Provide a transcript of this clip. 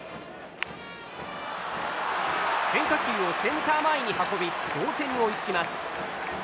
変化球をセンター前に運び同点に追いつきます。